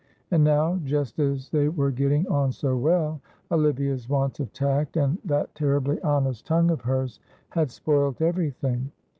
And now just as they were getting on so well, Olivia's want of tact and that terribly honest tongue of hers had spoilt everything.